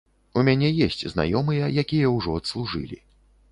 У мяне есць знаёмыя, якія ўжо адслужылі.